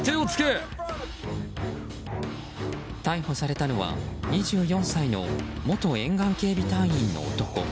逮捕されたのは２４歳の元沿岸警備隊員の男。